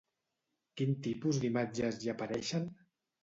Quin tipus d'imatges hi apareixen?